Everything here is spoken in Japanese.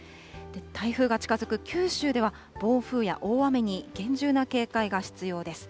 台風が近づく九州では、暴風や大雨に厳重な警戒が必要です。